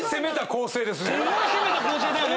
すごい攻めた構成だよね。